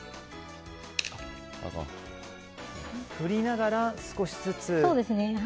振りながら少しずつ。